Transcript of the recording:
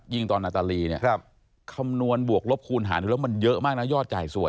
ยิ่งตอนนัตรีคำนวณบวกลบคูณหาหนึ่งแล้วมันเยอะมากนะยอดจ่ายสวย